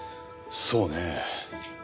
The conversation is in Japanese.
そうねえ。